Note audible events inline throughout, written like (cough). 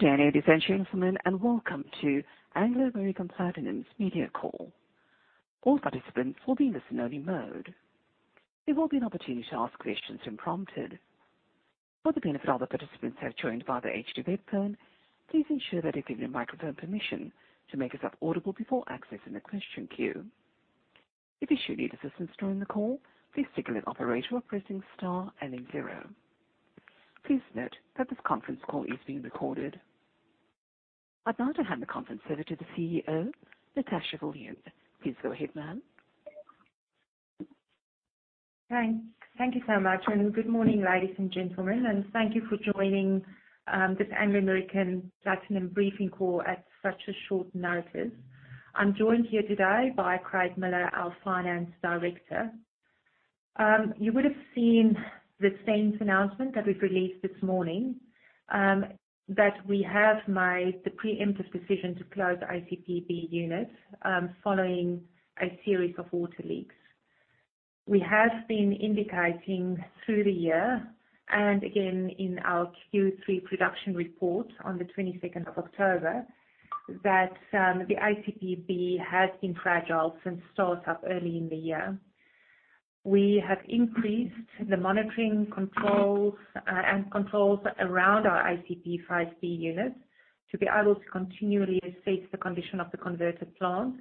Good day, ladies and gentlemen, and welcome to Valterra Platinum's media call. All participants will be in listen-only mode. There will be an opportunity to ask questions when prompted. For the benefit of other participants who have joined by the HTTP phone, please ensure that you give your microphone permission to make yourself audible before accessing the question queue. If you should need assistance during the call, please signal an operator by pressing star and then zero. Please note that this conference call is being recorded. I'd now like to hand the conference over to the CEO, Natascha Viljoen. Please go ahead, ma'am. Thank you so much. Good morning, ladies and gentlemen. Thank you for joining this Valterra Platinum briefing call at such a short notice. I'm joined here today by Craig Miller, our Finance Director. You would have seen the same announcement that we've released this morning, that we have made the preemptive decision to close the ACPB unit following a series of water leaks. We have been indicating through the year, and again in our Q3 production report on the 22nd of October, that the ACPB has been fragile since startup early in the year. We have increased the monitoring and controls around our ACPB unit to be able to continually assess the condition of the converter plant.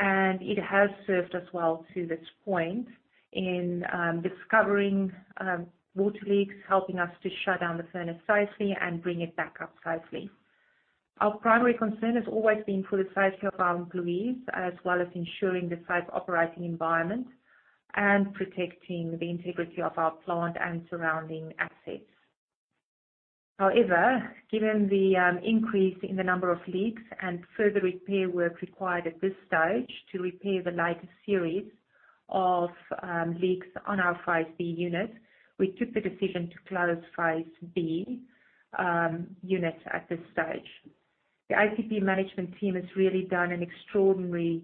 It has served us well to this point in discovering water leaks, helping us to shut down the furnace safely and bring it back up safely. Our primary concern has always been for the safety of our employees, as well as ensuring the safe operating environment and protecting the integrity of our plant and surrounding assets. However, given the increase in the number of leaks and further repair work required at this stage to repair the latest series of leaks on our Phase B unit, we took the decision to close Phase B unit at this stage. The ACP management team has really done an extraordinary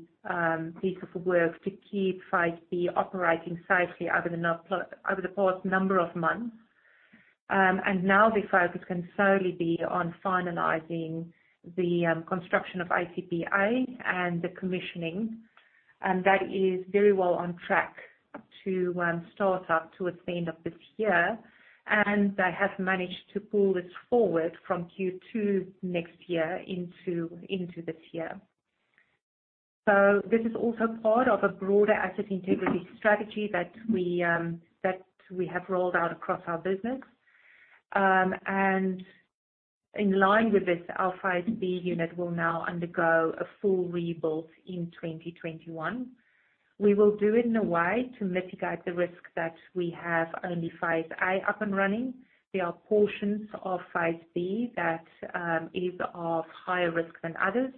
piece of work to keep Phase B operating safely over the past number of months. Now the focus can solely be on finalizing the construction of ACP Phase A and the commissioning, and that is very well on track to start up towards the end of this year. They have managed to pull this forward from Q2 next year into this year. This is also part of a broader asset integrity strategy that we have rolled out across our business. In line with this, our Phase B unit will now undergo a full rebuild in 2021. We will do it in a way to mitigate the risk that we have only Phase A up and running. There are portions of Phase B that are of higher risk than others,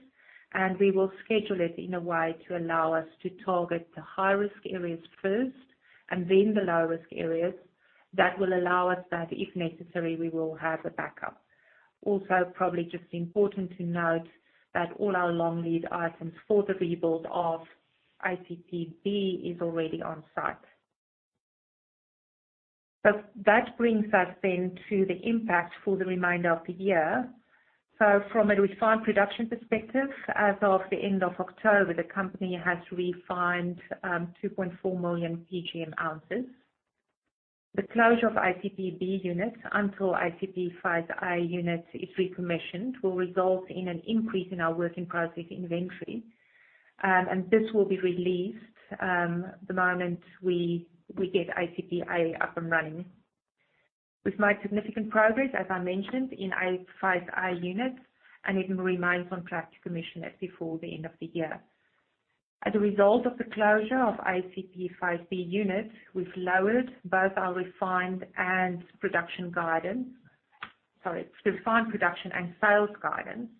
and we will schedule it in a way to allow us to target the high-risk areas first and then the low-risk areas. That will allow us that, if necessary, we will have a backup. Also, probably just important to note that all our long lead items for the rebuild of ACP Phase B is already on site. That brings us then to the impact for the remainder of the year. From a refined production perspective, as of the end of October, the company has refined 2.4 million PGM ounces. The closure of ACP B units until ACP A 5A unit is recommissioned will result in an increase in our work-in-process inventory. This will be released the moment we get ACP A up and running. We've made significant progress, as I mentioned, in our 5A units, and it remains on track to commission it before the end of the year. As a result of the closure of ACP 5B unit, we've lowered both our refined and production guidance. Sorry, refined production and sales guidance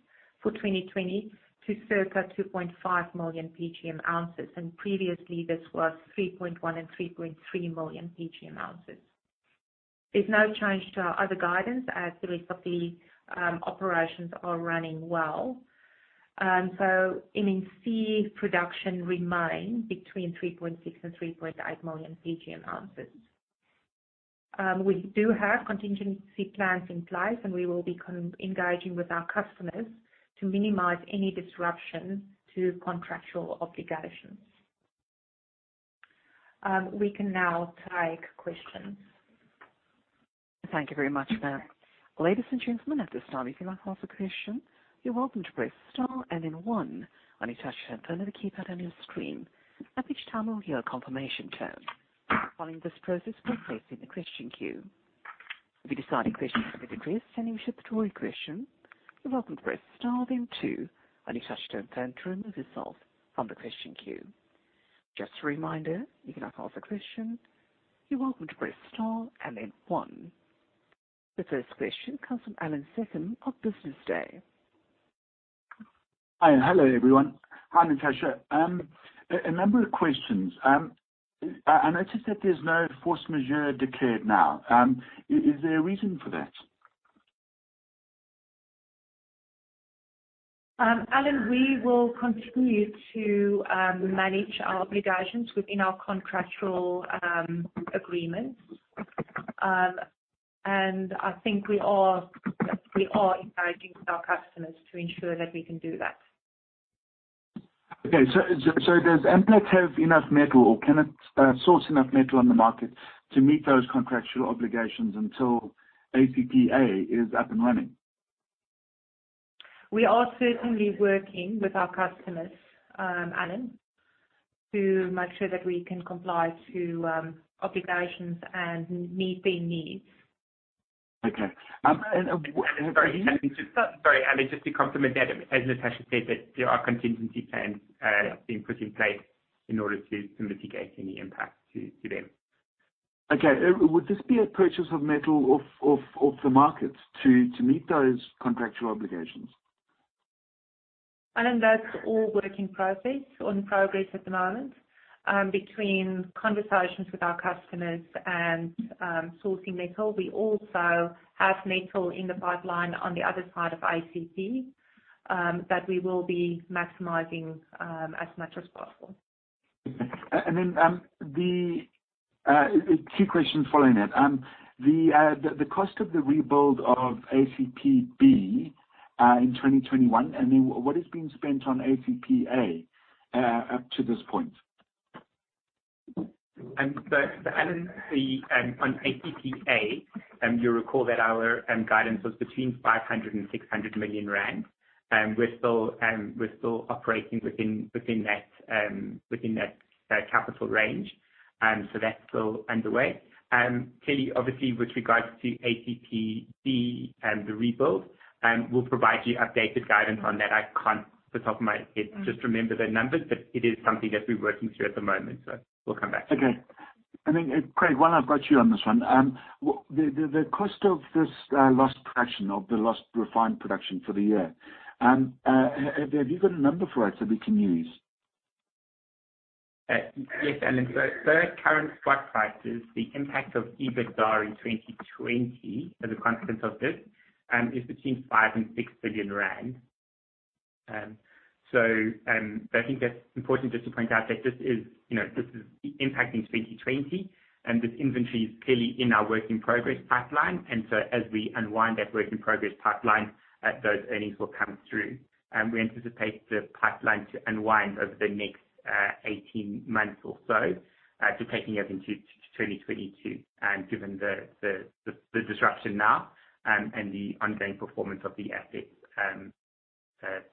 for 2020 to circa 2.5 million PGM ounces. Previously this was 3.1 million and 3.3 million PGM ounces. There's no change to our other guidance as the rest of the operations are running well. In-situ production remains between 3.6 million and 3.8 million PGM ounces. We do have contingency plans in place, and we will be engaging with our customers to minimize any disruption to contractual obligations. We can now take questions. Thank you very much, ma'am. Ladies and gentlemen at this time we open the line for question. You are welcome to press star and then one touchtone keypad on your screen. At each time you will hear confirmation tone. Following this this process (inaudible) question queue. If you decide (inaudible) in the question queue then press star then two. The first question comes from Allan Seccombe of Business Day. Hi, and hello, everyone. Hi, Natascha. A number of questions. I notice that there's no force majeure declared now. Is there a reason for that? Allan, we will continue to manage our obligations within our contractual agreements. I think we are encouraging our customers to ensure that we can do that. Okay. Does Amplats have enough metal or can it source enough metal on the market to meet those contractual obligations until ACP Phase A is up and running? We are certainly working with our customers, Allan, to make sure that we can comply to obligations and meet their needs. Okay. Sorry, just to complement that, as Natascha said, that there are contingency plans being put in place in order to mitigate any impact to them. Okay. Would this be a purchase of metal off the market to meet those contractual obligations? Allan, that's all work in progress at the moment. Between conversations with our customers and sourcing metal, we also have metal in the pipeline on the other side of ACP that we will be maximizing as much as possible. Okay. Two questions following that. The cost of the rebuild of ACPB in 2021, and then what is being spent on ACPA up to this point? Allan, on ACPA, you'll recall that our guidance was between 500 million rand and 600 million rand. We're still operating within that capital range. That's still underway. Clearly, obviously, with regards to ACPB and the rebuild, we'll provide you updated guidance on that. I can't, off the top of my head, just remember the numbers, but it is something that we're working through at the moment, so we'll come back to you. Okay. Craig, why don't I bring you on this one? The cost of this lost production, of the lost refined production for the year, have you got a number for us that we can use? Yes, Allan. At current spot prices, the impact of EBITDA in 2020 as a consequence of this, is ZAR between 5 billion and 6 billion rand. I think that's important just to point out that this is impacting 2020, and this inventory is clearly in our work-in-progress pipeline. As we unwind that work-in-progress pipeline, those earnings will come through. We anticipate the pipeline to unwind over the next 18 months or so, taking us into 2022, given the disruption now and the ongoing performance of the asset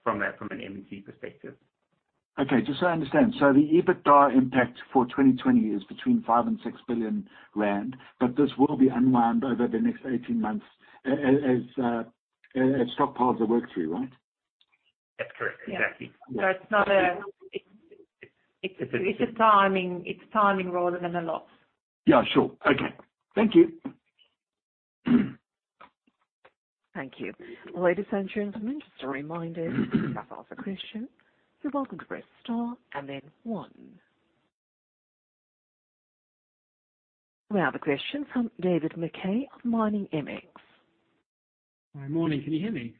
from an M&C perspective. Okay. Just so I understand. The EBITDA impact for 2020 is between 5 billion and 6 billion rand, but this will be unwound over the next 18 months as stockpiles are worked through, right? That's correct. Exactly. Yeah. It's a timing rather than a loss. Yeah, sure. Okay. Thank you. Thank you. Ladies and gentlemen, just a reminder, if you would like to ask a question, you're welcome to press star and then one. We have a question from David McKay of Miningmx. Hi. Morning. Can you hear me?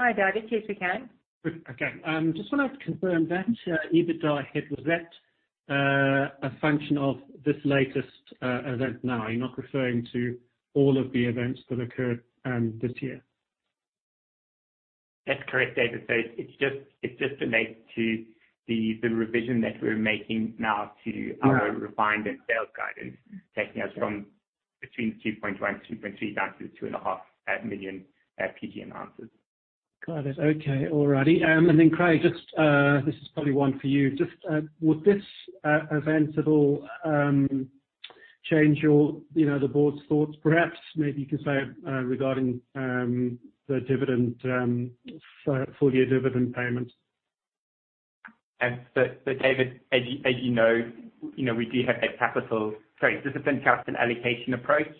Hi, David. Yes, we can. Good. Okay. Just wanted to confirm that EBITDA hit. Was that a function of this latest event now? Are you not referring to all of the events that occurred this year? That's correct, David. It's just related to the revision that we're making now to our refined and sales guidance, taking us from between 2.1-2.3 down to 2.5 million PGM ounces. Got it. Okay. All righty. Then Craig, this is probably one for you. Just would this event at all change the board's thoughts, perhaps, maybe you can say, regarding the full-year dividend payment? David, as you know, we do have a discipline, capital allocation approach.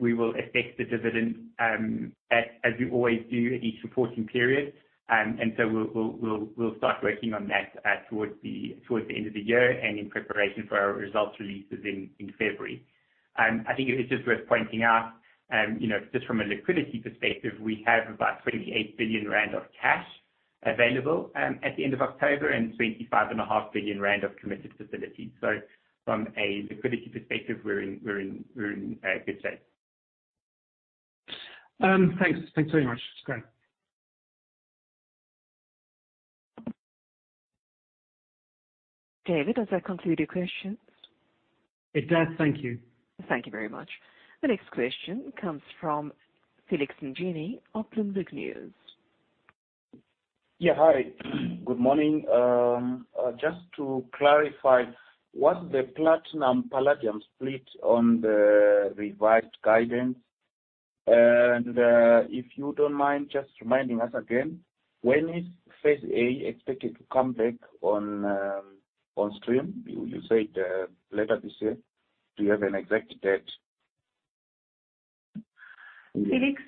We will assess the dividend as we always do at each reporting period. We will start working on that towards the end of the year and in preparation for our results releases in February. I think it is just worth pointing out, just from a liquidity perspective, we have about 28 billion rand of cash available at the end of October and 25 and a half billion of committed facilities. From a liquidity perspective, we are in a good shape. Thanks. Thanks very much, Craig. David, does that conclude your questions? It does. Thank you. Thank you very much. The next question comes from Felix Njini of Bloomberg News. Yeah. Hi. Good morning. Just to clarify, what's the platinum palladium split on the revised guidance? If you don't mind, just reminding us again, when is Phase A expected to come back on stream? You said later this year. Do you have an exact date? Felix,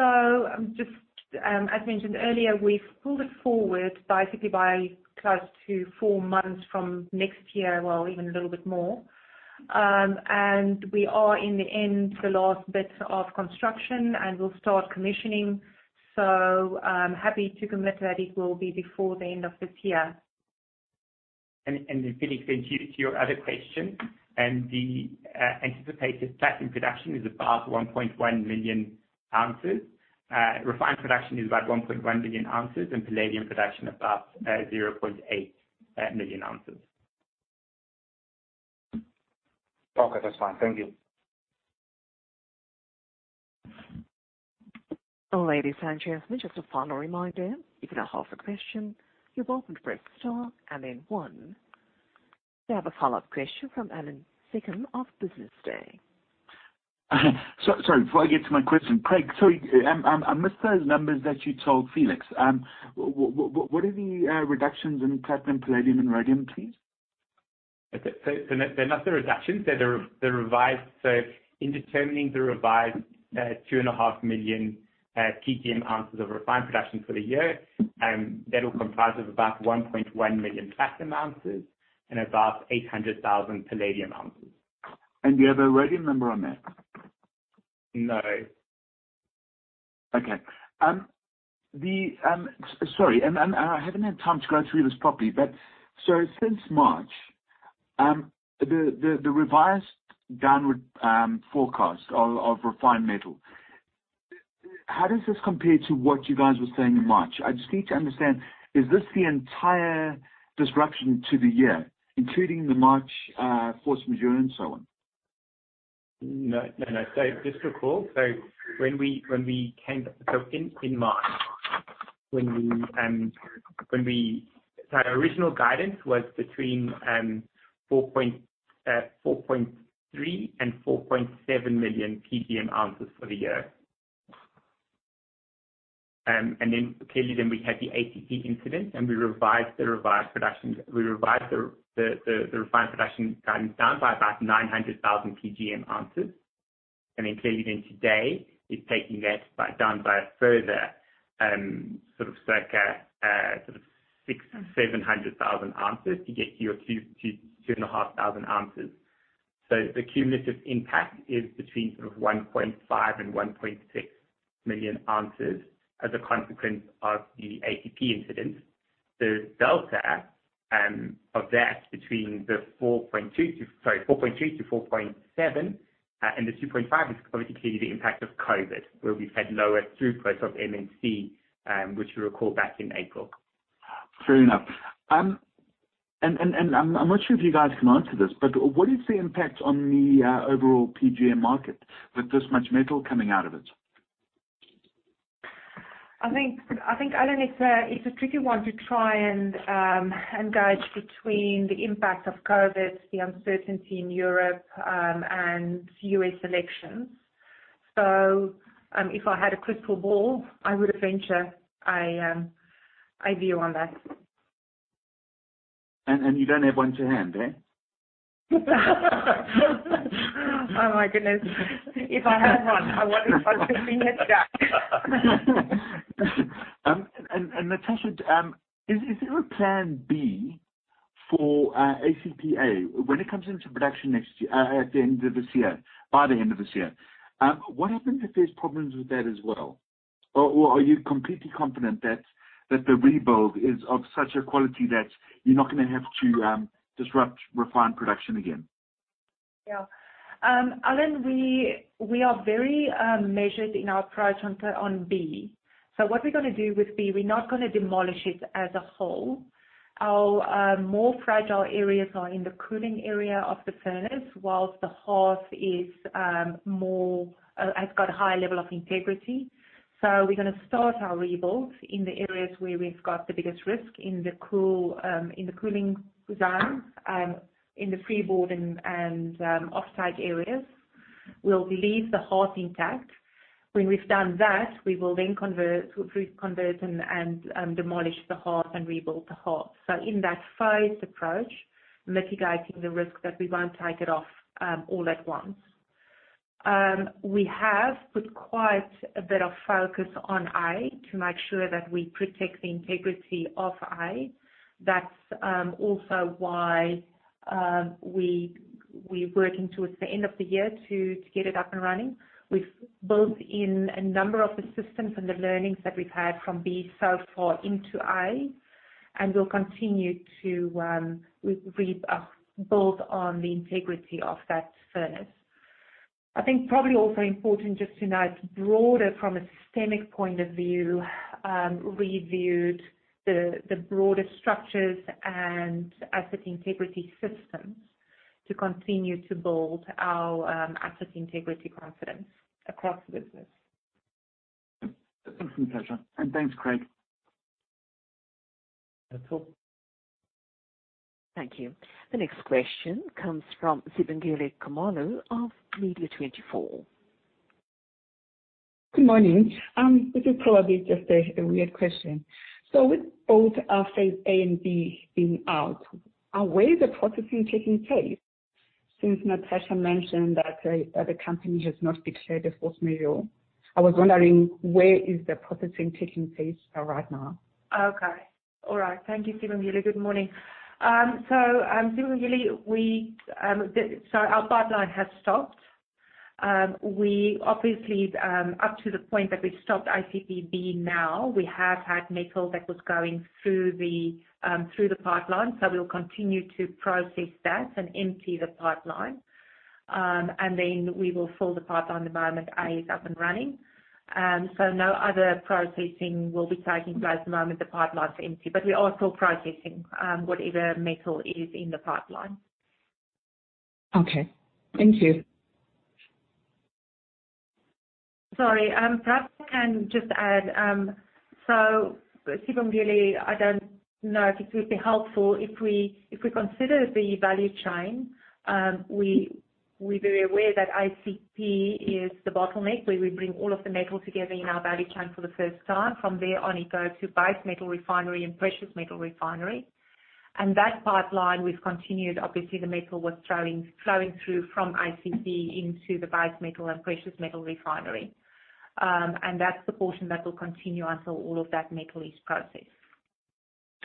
as mentioned earlier, we've pulled it forward basically by close to four months from next year, well, even a little bit more. We are in the last bit of construction and we'll start commissioning. I'm happy to commit that it will be before the end of this year. Felix, then to your other question, the anticipated platinum production is above 1.1 million ounces. Refined production is about 1.1 million ounces, and palladium production above 0.8 million ounces. Okay. That's fine. Thank you. Ladies and gentlemen, just a final reminder. If you'd like to ask a question, you're welcome to press star and then one. We have a follow-up question from Allan Seccombe of Business Day. Sorry. Before I get to my question, Craig, sorry. I missed those numbers that you told Felix. What are the reductions in platinum, palladium, and rhodium, please? Okay. They're not the reductions, they're the revised. In determining the revised 2.5 million PGM ounces of refined production for the year, that will comprise of about 1.1 million platinum ounces and about 800,000 palladium ounces. Do you have a rhodium number on that? No. Sorry, I haven't had time to go through this properly, but so since March, the revised downward forecast of refined metal, how does this compare to what you guys were saying in March? I just need to understand, is this the entire disruption to the year, including the March force majeure and so on? No. Just to recall, when we came, in March, our original guidance was between 4.3 and 4.7 million PGM ounces for the year. Clearly then we had the ACP incident and we revised the refined production guidance down by about 900,000 PGM ounces. Clearly then today is taking that down by a further sort of circa sort of 600,000 or 700,000 ounces to get to your 2.5 million ounces. The cumulative impact is between sort of 1.5 and 1.6 million ounces as a consequence of the ACP incident. The delta of that between the 4.2-4.7 and the 2.5 is obviously clearly the impact of COVID, where we've had lower throughput of M&C, which we recall back in April. Fair enough. I'm not sure if you guys can answer this, but what is the impact on the overall PGM market with this much metal coming out of it? I think, Allan, it's a tricky one to try and gauge between the impact of COVID, the uncertainty in Europe, and U.S. elections. If I had a crystal ball, I would venture a view on that. You don't have one to hand, eh? Oh my goodness. If I had one, I wouldn't be sitting here chat. Natascha, is there a plan B for ACP Phase A when it comes into production at the end of this year, by the end of this year? What happens if there's problems with that as well? Are you completely confident that the rebuild is of such a quality that you're not gonna have to disrupt refined production again? Allan, we are very measured in our approach on B. What we're going to do with B, we're not going to demolish it as a whole. Our more fragile areas are in the cooling area of the furnace, whilst the hearth has got a higher level of integrity. We're going to start our rebuild in the areas where we've got the biggest risk in the cooling zone, in the free board and offside areas. We'll leave the hearth intact. When we've done that, we will then convert and demolish the hearth and rebuild the hearth. In that phased approach, mitigating the risk that we won't take it off all at once. We have put quite a bit of focus on A to make sure that we protect the integrity of A. That's also why we're working towards the end of the year to get it up and running. We've built in a number of the systems and the learnings that we've had from B so far into A, and we'll continue to build on the integrity of that furnace. I think probably also important just to note broader from a systemic point of view, reviewed the broader structures and asset integrity systems to continue to build our asset integrity confidence across the business. Thank you, Natascha. Thanks, Craig. That's all. Thank you. The next question comes from Sibongile Khumalo of Media24. Good morning. This is probably just a weird question. With both our Phase A and B being out, are ways of processing taking place since Natascha mentioned that the company has not declared a force majeure? I was wondering where is the processing taking place right now? Okay. All right. Thank you, Sibongile. Good morning. Sibongile, our pipeline has stopped. Obviously, up to the point that we've stopped ACP Phase B now, we have had metal that was going through the pipeline, so we'll continue to process that and empty the pipeline. We will fill the pipeline the moment Phase A is up and running. No other processing will be taking place the moment the pipeline's empty. We are still processing whatever metal is in the pipeline. Okay. Thank you. Sorry. Perhaps I can just add. Sibongile, I don't know if it would be helpful if we consider the value chain. We're very aware that ACP is the bottleneck, where we bring all of the metal together in our value chain for the first time. From there on, it goes to base metal refinery and precious metal refinery. That pipeline, we've continued. Obviously, the metal was flowing through from ACP into the base metal and precious metal refinery. That's the portion that will continue until all of that metal is processed.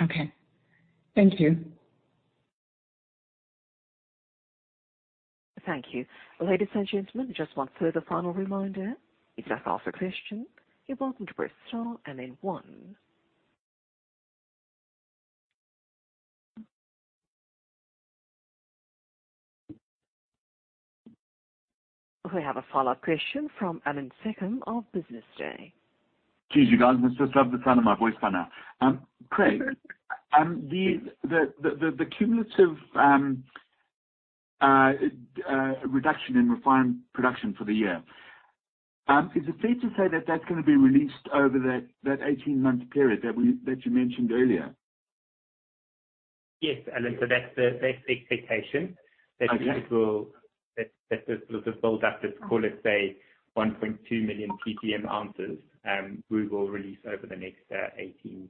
Okay. Thank you. Thank you. Ladies and gentlemen, just one further final reminder. If you have further questions, you're welcome to press star and then one. We have a follow-up question from Allan Seccombe of Business Day. Geez, you guys must just love the sound of my voice by now. Craig, the cumulative reduction in refined production for the year, is it fair to say that that's going to be released over that 18-month period that you mentioned earlier? Yes, Allan. That's the expectation. Okay That this will build up this, call it, say, 1.2 million PGM ounces, we will release over the next 18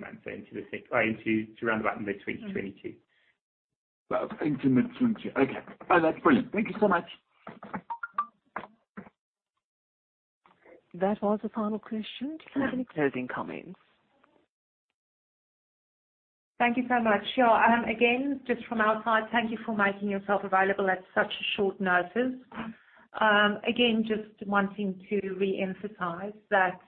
months, into around about mid-2022. Wow. Into mid-2022. Okay. That's brilliant. Thank you so much. That was the final question. Do you have any closing comments? Thank you so much. Sure. Again, just from our side, thank you for making yourself available at such short notice. Again, just wanting to reemphasize that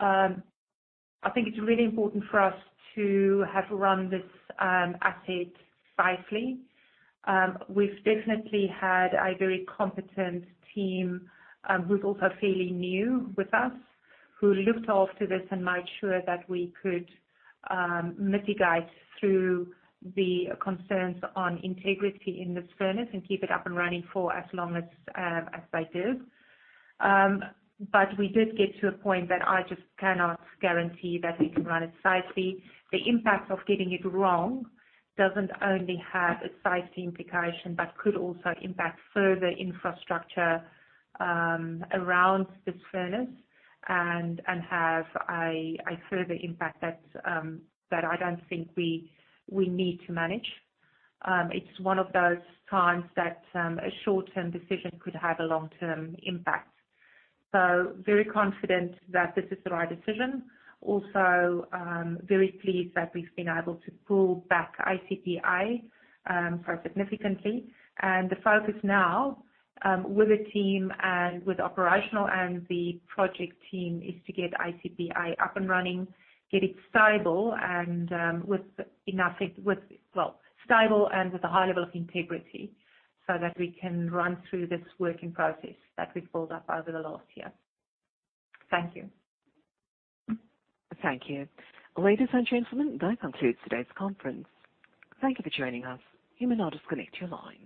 I think it's really important for us to have run this asset safely. We've definitely had a very competent team, who's also fairly new with us, who looked after this and made sure that we could mitigate through the concerns on integrity in this furnace and keep it up and running for as long as they did. We did get to a point that I just cannot guarantee that we can run it safely. The impact of getting it wrong doesn't only have a safety implication but could also impact further infrastructure around this furnace and have a further impact that I don't think we need to manage. It's one of those times that a short-term decision could have a long-term impact. Very confident that this is the right decision. Also, very pleased that we've been able to pull back ACP quite significantly. The focus now, with the team and with operational and the project team, is to get ACP up and running, get it stable, and with a high level of integrity so that we can run through this working process that we've built up over the last year. Thank you. Thank you. Ladies and gentlemen, that concludes today's conference. Thank you for joining us. You may now disconnect your line.